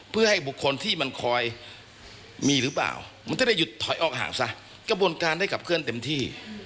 เพื่อให้บุคคลที่มันคอยมีหรือเปล่ามันจะได้หยุดถอยออกห่างซะกระบวนการได้ขับเคลื่อนเต็มที่